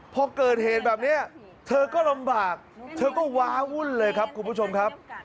พอเกิดเหตุแบบนี้เธอก็ลำบากเธอก็ว้าวุ่นเลยครับคุณผู้ชมครับ